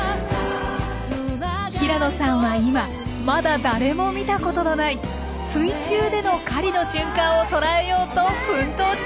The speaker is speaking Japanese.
平野さんは今まだ誰も見たことのない水中での狩りの瞬間をとらえようと奮闘中。